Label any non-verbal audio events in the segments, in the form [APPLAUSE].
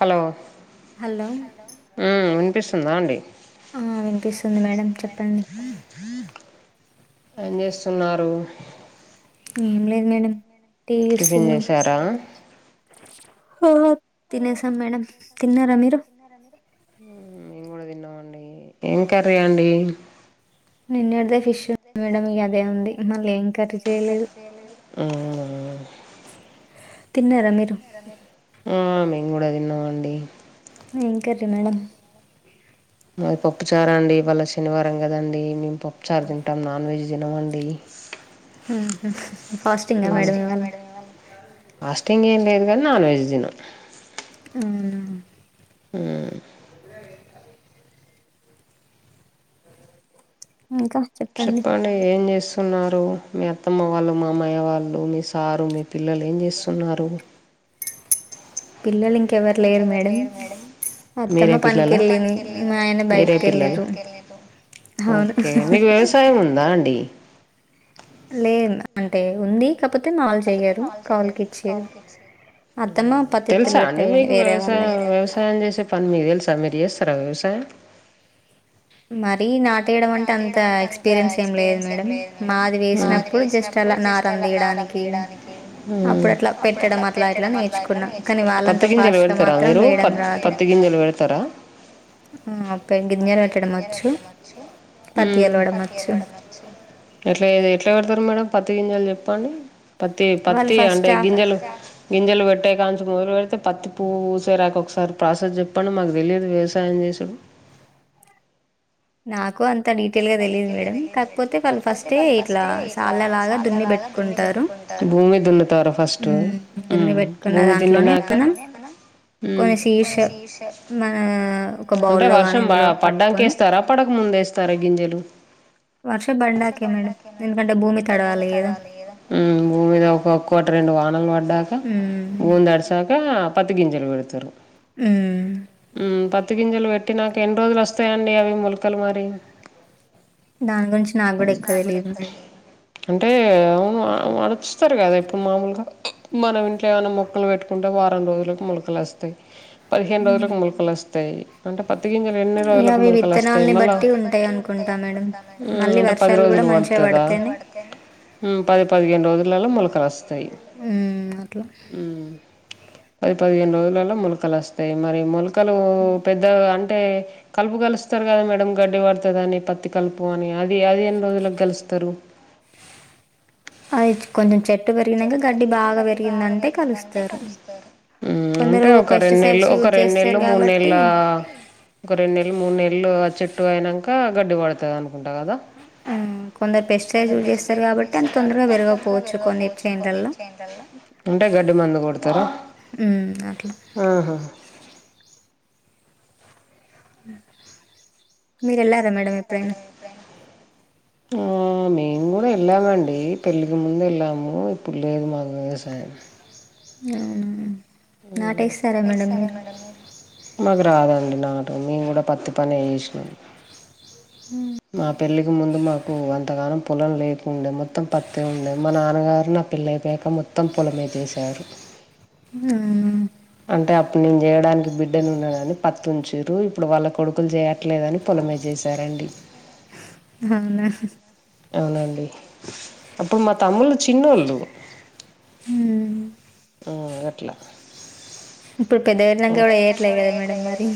Hello ఊమ్ వినిపిస్తుందా అండి ఆ వినిపిస్తుంది మేడం చెప్పండి ఏం జేస్తున్నారు ఏం లేదు మేడం టీవీ జూస్తున్నాం ఆ తినేసాం మేడం తిన్నారా మీరు మేం కూడా తిన్నామండి ఏం కర్రీ అండి నిన్నడితే ఫిష్ మేడమ్ ఇగ అదే ఉంది మళ్ళీ ఏం కర్రీ చేయలేదు తిన్నారా మీరు ఆ మేము కూడా తిన్నాం అండి ఏం కర్రీ మేడం మాది పప్పు చారండి ఇవాళ్ళ శనివారం కదండి మేము పప్పు చారు తింటాం నాన్ వెజ్ తినమండి ముహు ఫాస్టింగ్ ఏం లేదు కానీ నాన్ వెజ్ తినం ము ము ఇంకా చెప్పండి ఏం చేస్తున్నారు మీ అత్తమ్మ వాళ్ళు మామయ్య వాళ్ళు మీ సారు మీ పిల్లలు ఏం చేస్తున్నారు పిల్లలు ఇంకా పిల్లలు ఇంకెవరు లేరు మేడం మీరే పిల్లల మీరే పిల్లల ఓకే మీకు వ్యవసాయం ఉందాండి లేదు అంటే ఉంది కాకపోతే మావళ్ళు చెయ్యారు కౌలుకి ఇచ్చిరు తెలుసా అండి మీకు వ్యవసాయం వ్యవసాయం చేసే పని మీకు తెలుసా మీరు చేస్తారా వ్యవసాయం మరీ నాటేయడం అంటే అంత ఎక్స్పీరియన్స్ ఏం లేదు మేడం మాది వేసినప్పుడు అప్పుడు జస్ట్ అలా నారు అందియడానికి అప్పుడు అట్ల పెట్టడం అట్లా ఇట్లా నేర్చుకున్నా కానీ వాళ్ళంతా ఫాస్ట్గా మాత్రం వేయడం రాదు ఆ ఒక్క గింజ గింజలు పెట్టడం వచ్చు ము పత్తి తీయడం వచ్చు ఎట్ల ఎట్ల గడతారు మేడం పతి గింజలు చెప్పండి పత్తి పత్తి అంటే గింజలు గింజలు పెట్టే కానుంచి మొదలు పెడితే పత్తి పువ్వుపూసేదాక ఒకసారి ప్రాసెస్ చెప్పండి మాకు తెలియదు వ్యవసాయం చేసుడు నాకు అంత డీటెయిల్ గా తెలీదు మేడం కాకపోతే వాళ్ళు ఫస్టే ఇట్లా సాళ్ళలాగా దున్ని పెట్ భూమి దున్నుతారు ఫస్ట్ ము భూమి దున్నినాక ము అంటే వర్షం పడ్డాక ఏ స్తారా పడక ముందేస్తారా గింజలు వర్షం పడ్డాకే మేడం ఎందుకంటే భూమి తడవాలి కదా ము భూమి మీద ఒకక్కటి రెండు వానలు పడ్డాక భూమి తడి చాకా పత్తి గింజలు పెడతారు ము ము పత్తి గింజలు పెట్టినాక ఎన్ని రోజులు వస్తాయండి అవి మోలకలు మరి దాని గురించి నాకు కూడా ఎక్కువ తెలీదు మేడం అంటే అవును అడుచస్తరు కదా ఇప్పుడు మాములుగా మనం ఇంట్లో ఏమైనా మొక్కలు పెట్టుకుంటే వారం రోజులకు మోలకలు వస్తాయి పదిహేను రోజులకు మోలకలు వస్త స్తయి అంటే పత్తి గింజలు ఎన్ని రోజులకు మోలకలు వస్తయ్ మళ్ళా ము అంటే పది రోజులు పడతదా ఉమ్ పది, పదిహేను రోజులల్లా మొలకలు అస్తయి. ఉమ్ అట్లా ఉమ్ పది, పదిహేను రోజులల్లా మొలకలు అస్తయి, మరి మొలక్ కలు పెద్దగా అంటే కలుపు కలుస్తరు కదా మేడమ్, గడ్డి కడ్ పదని, పత్తి కలుపు అని, అది అది ఎన్ని రోజులకు గలుస్తరు? అయిత్ కొంచెం చెట్ ఉమ్ అంటే ఒక రెండునెల్లు, ఒక రెండు నెల్లు మూడు నెల్ల ఒక రెండు నెల్లు, మూడు నెల్లు చెట్టు అయినంక గడ్డి పడతది అను ఉమ్ కొందరు పెస్టేజ్ లు చేస్తరు కాబట్టి అంత తొందరగా పెరగకపోవచ్చు కొన్ని చెన్ అంటే గడ్డి మందు కొడతారా? ఆహ మీరు ఎళ్ళారా మేడం ఎప్పుడైనా? ఉమ్ ఉమ్ నేను గుడ ఎళ్ళామండి, పెళ్ళికి ముందు ఎళ్ళాము, ఇప్పుడు లేదు మాకు వ్యవసాయం. ఆ నాటేస్తారా మేడం మీరు? మాకు రాదండి నాటు, మేము గుడ పత్తి పనే చేసినం. ఉమ్ మా పెళ్ళికి ముందు మాకు అంతగానం పొలం లేకుండే మొత్తం పత్తే ఉండే, మా నాన్నగారు నా పిళ్లైపోయాక మొత్తం పొలమే చేశారు. అంటే అప్పుడు నేను చేయడానికి బిడ్డని ఉన్నానని పత్తి ఉంచిర్రు, ఇప్పుడు వాళ్ళ కొడుకులు చేయ ట్లేదని పొలమే చేసారండి. అవునా అవునండి, అప్పుడు మా తమ్ముళ్లు చిన్నోళ్ళు. హ్మ్ ఉమ్ గట్ల ఇప్పుడు పెద్దగయినంక గుడ చేయట్లేదు కదా మేడం మరి.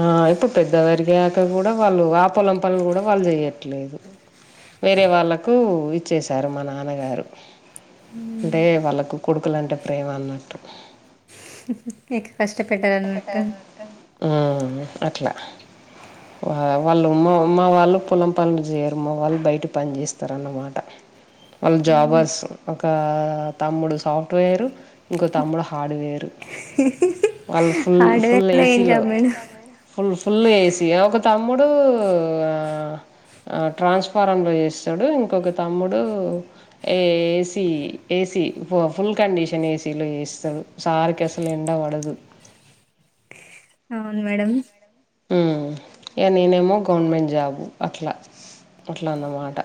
ఆ ఇప్పుడు పెద్దవరిగాక గుడ వాళ్ళు ఆ పొలం పనులు గుడ వాళ్ళు చెయ్యట్లేదు. వేరే వాళ్ళకు ఇచ్చేశారు మా నాన్నగారు. అంటే వాళ్ళకు కొడుకులంటే ప్రేమ అన్నట్టు. ఎక్కువ కష్టపెట్టాలన్నట్టు ఉమ్ అట్లా వా వాళ్ళు మ మా వాళ్ళు పొలం పనులు జేయరు, మా వాళ్ళు బయటి పని చేస్తరన్నమాట. వాళ్ళ జాబర్స్ ఒక తమ్ముడు సాఫ్ట్వేరు, ఇంకో తమ్ముడు హార్డ్వేరు. హ వాళ్ళు ఫుల్ ఫుల్ ఏ సీలో ఫుల్ ఫుల్ ఏ సి, ఒక తమ్ముడు ఆ ఆ ట్రాన్స్ఫారంలో చేస్తడు, ఇంకొక తమ్ముడు A A C, A C full condition A సీలో చేస్తరు. సార్కి అసలు ఎండవడదు అవును మేడమ్. ఉమ్ ఇగా నేనేమో గవర్నమెంట్ జాబు అట్ల. అట్లన్నమాట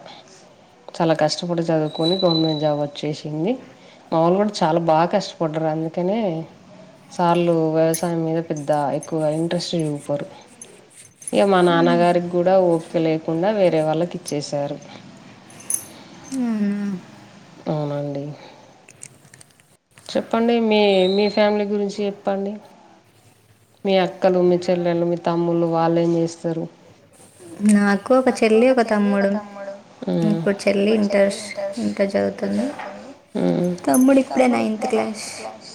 చాలా కష్టపడి చదువుకొని గవర్నమెంట్ జాబ్ వచ్చేసింది. మాములు కూడా చాలా బాగా కష్టపడ్డరు అందుకననే సార్లు వ్యవసాయం మీద పెద్ద ఎక్కువగా ఇంట్రెస్ట్ పరు ఇక మా నాన్నగారికి కూడా ఓపిక లేకుండా వేరే వాళ్ళకి ఇచ్చేసారు ఊఅవునా అవునండి చెప్పండి మీ మీ ఫ్యామిలీ గురించి చెప్పండి మీ అక్కలు మీ చెల్లెలు మీ తమ్ముళ్ళు వాళ్ళేం జేస్తారు నాకు ఒక చెల్లి ఒక తమ్ముడు ఇప్పుడు చెల్లి ఇంటర్స్ ఇంటర్ చదువుతుంది తమ్ముడు ఇప్పుడే నైన్త్ క్లాస్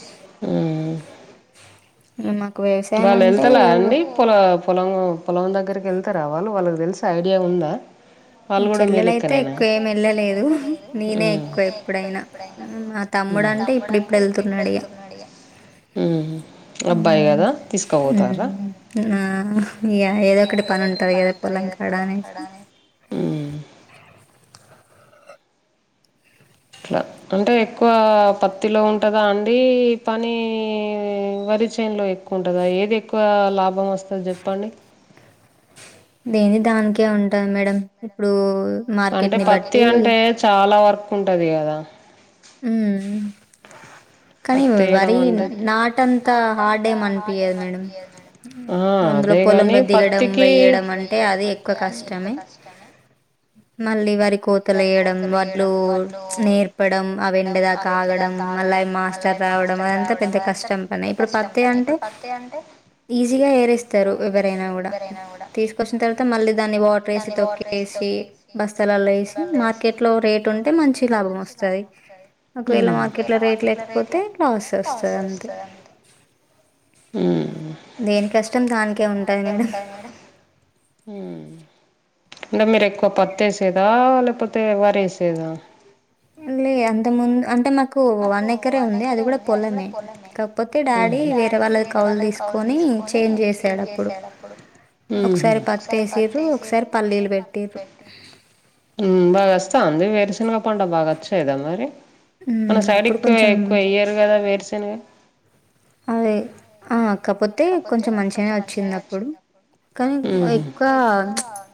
హ్మ్ మాకు వే గల్లీతల అండి పొల పొలం పొలం దగ్గకి ఎళ్తార వాళ్ళు వాళ్ళకి తెలిస ఐడియా ఉందా చెల్లెలైతే ఎక్కువ ఏమి ఏళ్ళలేదు నేనే ఎక్కువ ఎప్పుడైనా మా నా తమ్డుంటే ఇప్పుడుప్పుడు వెతున్నాడు ఇగ ఊ నా ఇగా ఏదో ఒకటి పని ఉంటది గదా పొలం కాడ అనేసి అట్ల అంటే ఎక్కువ పత్తిలో ఉంటదా అండీ పనీ వరి చేన్లో ఎక్కువ ఉంటదా ఏది ఎక్కువ లాభం వస్తది చెప్పండి దేని దానికే ఉంటాంది మేడం ఇప్పుడు అంటే పత్తి అంటే చాలా వర్క్ ఉంటది గదా ఊ ఉ కనీ వరి నాటంతా హార్డే అనిపియదు మేడం అందులో పొలంలో దిగడం వెయడం అంటే అది ఎక్కువ కష్టమే మళ్ళీ వరి కోతలు వేయడం వడ్లు నేర్పడం ఆవి ఎండదా ఆగడం మళ్ళ అవి మాస్టర్ రావడం అదంతా పెద్ద కష్టం పైనే ఇప్పుడు పత్తి అంటే పత్తి అంటే ఈజీగా ఏరెస్తారు ఎవరైనా గుడా తీసుకొచ్చిన తర్వాత మళ్ళీ దాన్ని వాటర్ వేసి తొకీ ఎసి బస్తలలో వేసి మార్కెట్ లో రేట్ ఉంటే మంచి లాభం వస్తది ఒకవేళ మార్కెట్ లో రేట్ లేకపోతే టవస్ వస్తది అన్న ఉహు దేని కష్టం దానికే ఉంటది మేడం ఉ అంటే మీరు ఎక్కువ పతేసేదా లేకపోతే వరేసేదా లే అంత ముందు అంటే మ కు వన్ ఎకరే ఉంది అది కూడా పొలమే కాకపోతే డాడీ వేరే వాళ్ళ కౌలు తీస్ కౌలు తీసుకొని క్లీన్ చేసాడు అప్పుడు ఒకసారి పత్ వేసిరి ఒకసారి పలీల్ పెట్టి ఉ బాగాస్తాఅంది వేరుసినగా పంట బాగా వచ్చాయిదా మరి మన సైడ్ ఎక్కువ ఎక్కువ ఎయ్యరు గదా వేర్సన్గా అదే ఆ కపోతే కొంచెం మంచిగానే వచ్చింది అప్పుడు కనీ ఎక్కువ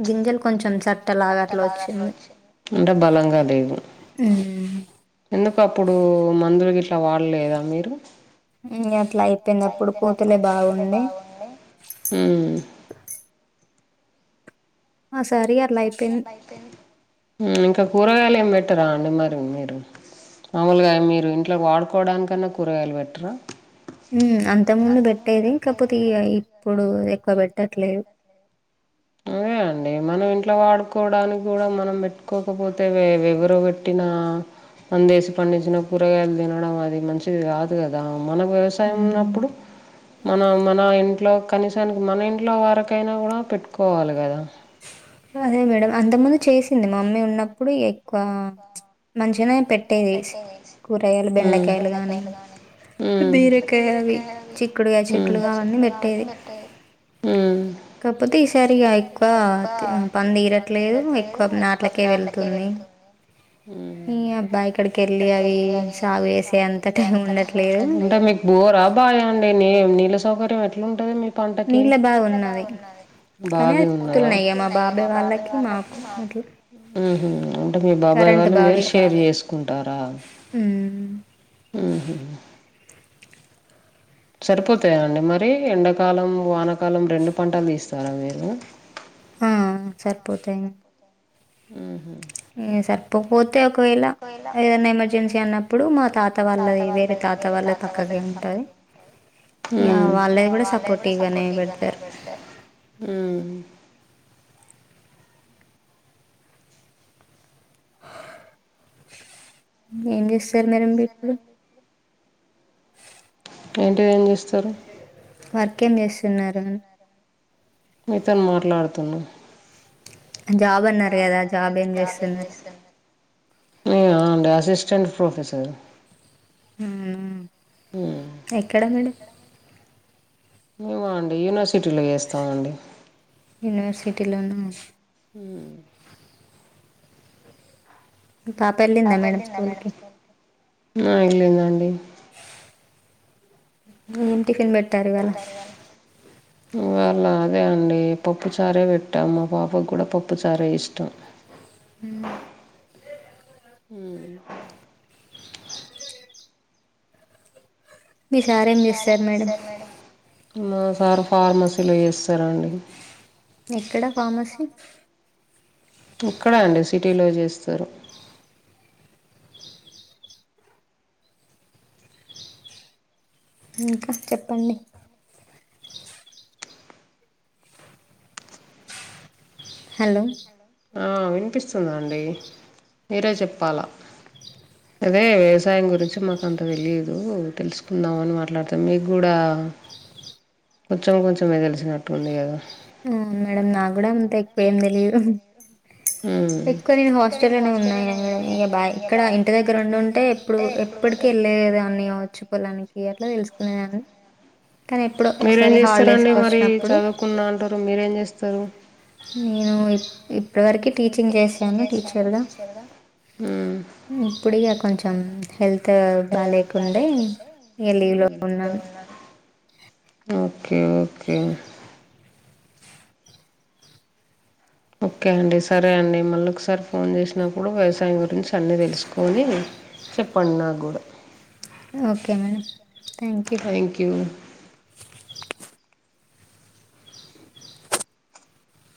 గింజలు కొంచెం చట్ట లాగట్లా వచ్చింది అంటే బలంగా లేదు హ్మ్ ఎందుకు అప్పుడు మందుల గిట్లా వాలేదా మీరు అట్లా అయిపోయింది అప్పుడు కోతులే బాగుండి ఉ ఇంక కూరగాయలు ఏం పెట్టరా అండి మరి మీరు మాముల్గా మీరు ఇంట్లో వాడుకోవడానికన్నా కూరగాయలు పెట్టరా అంత ముందు పెట్టేది కాకపోతే ఇగ ఇప్పుడు ఎక్కువ పెట్టట్లేదు ఆ [UNINTELLIGIBLE] మనం ఇంట్లో వాడుకోవడానికి కూడ మనం పెట్టుకోకపోతే ఎవరు పెట్టినా పందేసి పండించిన కూరగాయలు తినడం అది మంచిది కాదు కదా మనకు వ్యవ సాయం ఉన్నప్పుడు మనం మన ఇంట్లో కనీసానికి మన ఇంట్లో వరకైనా కూడ పెట్ కోవాలి కదా అదే మేడం అంత ముందు చేసింది మమ్మీ ఉన్నప్పుడు ఎక్కువ మంచిగనె పెట్టేది కూరగాయలు బెండకాయలు గానీ బీరకాయ అవి చిక్కుడుగాయ చెట్లు అవన్నీ పెట్టేది కాపోతే ఈసారి ఇగా ఎక్కువ పన్ తీరట్లేదు ఎక్కువ నాట్లకే వెళ్తుంది ఈ అబ్బాయి ఇక్కడికి వెళ్ళి అవి సాగు చేసె అంత టైం ఉండట్లేదు బోరా బాయా అండి నీ నీళ్ళ సౌకర్యం ఎట్లా ఉంటది మీ క్ పంటకి బావి ఉన్నదా ఉహు అంటే మీ బాబాయి్ వాళ్ళు మీరు షేర్ చేసుకుంటార ఉమ్ ఊహు సరిపోతాయా అండి మరి ఎండాకాలం వానకాలం రెండు పంటలు తీస్తార మీరు ఆ అ సరిపోతాయి ఊహు ఎ సరిపోతే ఒకవేళ ఏదైనా ఎమర్జెన్సీ అన్నప్పుడు మా తాత వాళ్ళది వేరే తాత తే వాల్లకి పక్క గింటారు ఉ ఉ ఏం చేస్ స్తన్నారు మీరు ఏంటి ఏం చేస్తారు వర్క్ ఏం చేస్తున్నారు మీ తోన్ మాట్లాడుతున్నా జాబ్ అన్నారు కదా జాబ్ ఏం చేస్తున్నారు నిగా అండి అసిస్టెంట్ ప్రొఫెసరు అవునా ఎక్కడా మేడం ఏమో అండి యూనివర్సిటీలో చేస్తాం అండి యూనివర్సిటీలోన హు మి పాపెల్లి ఆ వెళ్ళింది అండి ఏం టిఫిన్ పేట్ పెట్టార్ ఇవాల్ల మీరు ఇవాళ్ళ అదే అండి పప్పు చారే పెట్టాం మా పాపకు కూడా పప్పు చారే ఇష్టం హు హు మీ సార్ ఏం చేస్తారు మేడం మా సార్ ఫార్మసీలో చేస్తారండి ఎక్కడ ఫార్మసీ ఇక్కడ అండి సిటీలో చేస్తరు ఇంక చెప్పండి హలో ఆ వినిపిస్తుఅండి మీరే చెప్పాలా అదే వ్యవసాయం గురించి మాకు అంత తెలియదు తెలుసుకుందామ అని మాట్లాడతాం మీకు గుడ కొంచెం కొంచెమే తెలిసినట్టుంది కదా అవును మేడం నాకు కూడా అంత ఎక్కువేం తెలిదు ఎక్కువ నేను హాస్టల్నే ఉన్నాయా మ ఇక బా ఇక్కడ ఇంటి దగ్గర ఉండుంటే ఇప్పుడు ఎప్పటికి వెళ్ళలేదాన్ని వచ్చి పొలానికి అట్ల తెలుసుకునేదాన్ని కానీ ఎప్పుడో ఒకసారి హాలిడేస్కి వచ్చినప్పుడు కున్న అంటారు మీరేం చేస్తారు నేను వరికి టీచింగ్ చేస టీచర్గా ఇప్పుడుక కొంచెం హెల్త్ బాలేకుండే ఉ ఓకే ఓకే ఓకే అండి సరే అండి మళ్ళీ ఒకసారి ఫోన్ చేసినప్పుడు వ్యవసాయం గురించి అన్నీ తెలుసుకొని చెప్పండి నా కూడ ఓకే మేడం థ్యాంక్ యూ